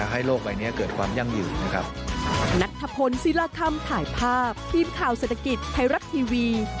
ให้โลกใบนี้เกิดความยั่งยืนนะครับ